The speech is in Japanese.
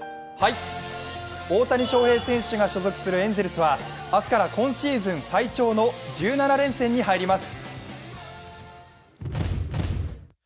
大谷翔平選手が所属するエンゼルスは明日から今シーズン最長の１７連戦に入ります。